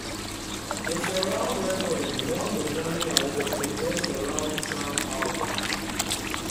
The surround recording won the Grammy Award for Best Surround Sound Album.